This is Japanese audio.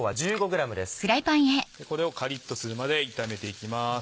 これをカリっとするまで炒めていきます。